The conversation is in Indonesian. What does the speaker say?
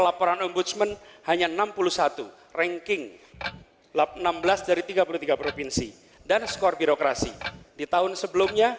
laporan ombudsman hanya enam puluh satu ranking enam belas dari tiga puluh tiga provinsi dan skor birokrasi di tahun sebelumnya